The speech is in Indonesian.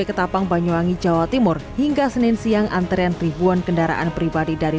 ketapang banyuwangi jawa timur hingga senin siang antrean ribuan kendaraan pribadi dari